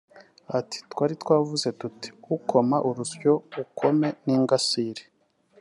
Ati “Twari twavuze tuti ’ukoma urusyo ukome n’ingasire